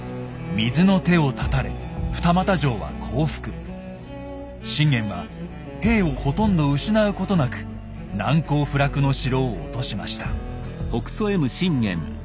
水の手を絶たれ信玄は兵をほとんど失うことなく難攻不落の城を落としました。